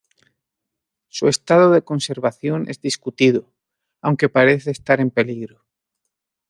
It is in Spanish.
Su estado de conservación es discutido, aunque parece estar en peligro.